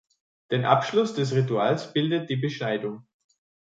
Den Abschluss des Rituals bildet die Beschneidung.